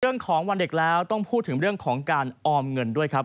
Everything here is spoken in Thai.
วันเด็กแล้วต้องพูดถึงเรื่องของการออมเงินด้วยครับ